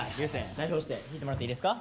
代表して引いてもらっていいですか。